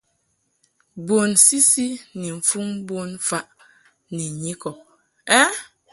Bun sisi ni mfuŋ bonfaʼ ni nyikɔb.